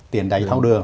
tiền đầy thao đường